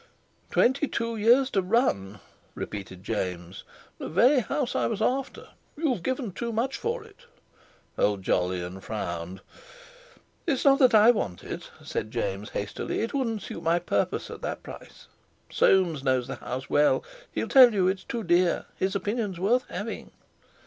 "Twenty two years to run?" repeated James; "The very house I was after—you've given too much for it!" Old Jolyon frowned. "It's not that I want it," said James hastily; "it wouldn't suit my purpose at that price. Soames knows the house, well—he'll tell you it's too dear—his opinion's worth having."